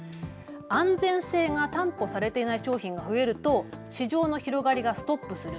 安全性が担保されていない商品が増えると市場の広がりがストップする。